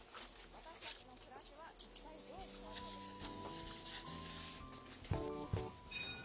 私たちの暮らしはいったいどう変わるのでしょうか。